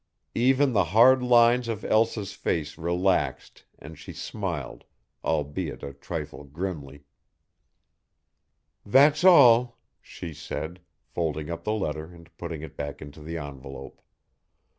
Even the hard lines of Elsa's face relaxed and she smiled, albeit a trifle grimly. "That's all," she said, folding up the letter and putting it back into the envelope.